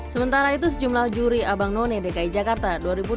sementara itu sejumlah juri abang none dki jakarta dua ribu dua puluh